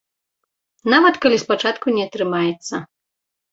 Нават калі спачатку не атрымаецца.